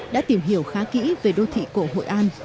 đã tìm hiểu khá kỹ về đô thị cổ hội an